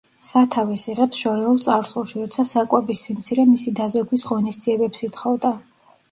სათავეს იღებს შორეულ წარსულში, როცა საკვების სიმცირე მისი დაზოგვის ღონისძიებებს ითხოვდა.